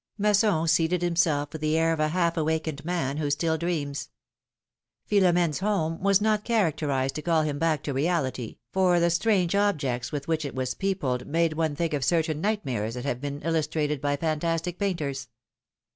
Masson seated himself with the air of a half awakened man, who still dreams. Philomene's home was not char acterized to call him back to reality, for the strange objects with which it was peopled made one think of certain nightmares that have been illustrated by fantastic painters.